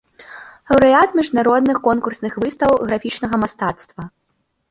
Лаўрэат міжнародных конкурсных выстаў графічнага мастацтва.